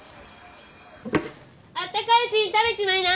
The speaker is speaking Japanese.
あったかいうちに食べちまいな！